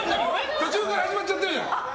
途中から始まっちゃってるじゃん。